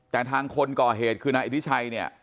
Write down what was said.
แต่ทางคนก่อเหตุคือนายอิทธิชัยเนี่ย